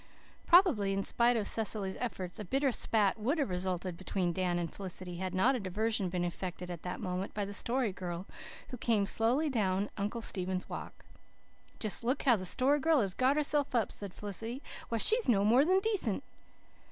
Probably, in spite of Cecily's efforts, a bitter spat would have resulted between Dan and Felicity, had not a diversion been effected at that moment by the Story Girl, who came slowly down Uncle Stephen's Walk. "Just look how the Story Girl has got herself up!" said Felicity. "Why, she's no more than decent!"